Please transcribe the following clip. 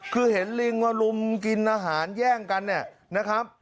คือเห็นลิงมาลุมกินอาหารแย่งกันเนี่ยนะครับ